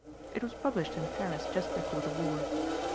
It was published in Paris just before the war.